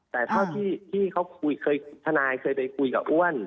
แต่เมื่อทนายเคยไปคุยกับอ้วน